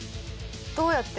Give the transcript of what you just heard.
どうやって？